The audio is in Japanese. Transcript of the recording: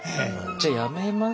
じゃやめます？